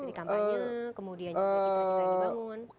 jadi kampanye kemudian jika jika dibangun